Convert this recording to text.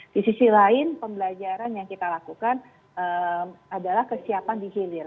di sisi lain pembelajaran yang kita lakukan adalah kesiapan di hilir